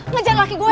ngejar laki gue